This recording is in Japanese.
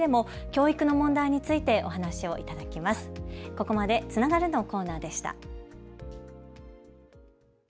ここまでつながるのコーナーでした。